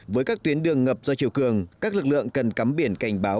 với các tuyến đường ngập do chiều cường các lực lượng cần cắm biển cảnh báo